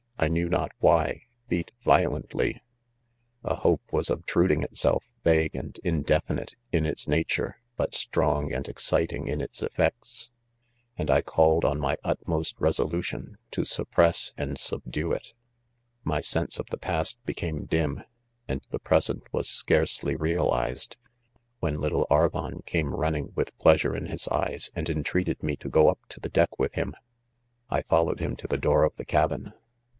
knew not why, beat violently ._ A hope' was obtruding itself, vague and indefinite in its nature, but 'strong and exciting in its. ef fects | a'iid I called on my utmost resolution to suppress and • subdue it, ■ My sense of the past became dim, and the present was scarce ly! realized, when little 'Aryan dame running with. pleasure in his .eyes, and entreated me to go up to the deck .with nim. ,'£ I followed him to the. door of the cabin